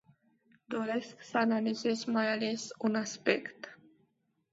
Doresc să analizez mai ales un aspect.